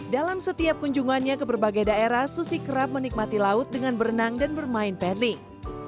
dalam setiap kunjungannya ke berbagai daerah susi kerap menikmati laut dengan berenang dan bermain pedling